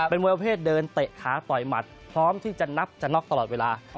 มวยประเภทเดินเตะขาต่อยหมัดพร้อมที่จะนับจะน็อกตลอดเวลา